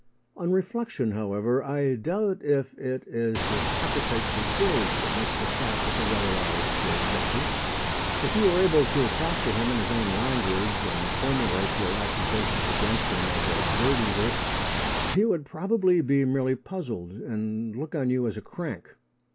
On reflection, however, I doubt if it is his appetite for birds that makes the cat with the yellow eyes feel guilty. If you were able to talk to him in his own language, and formulate your accusations against him as a bird eater, he would probably be merely puzzled and look on you as a crank.